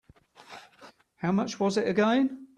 How much was it again?